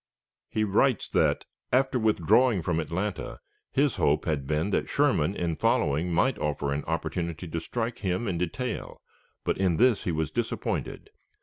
He writes that, after withdrawing from Atlanta, his hope had been that Sherman in following might offer an opportunity to strike him in detail, but in this he was disappointed.